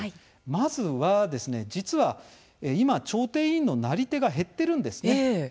まずは、実は今、調停委員のなり手が減っているんですね。